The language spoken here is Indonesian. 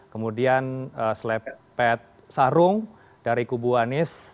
kemudian selepet sarung dari kubu anies